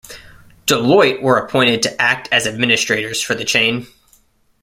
Deloitte were appointed to act as administrators for the chain.